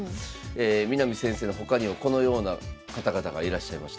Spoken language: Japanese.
南先生の他にはこのような方々がいらっしゃいました。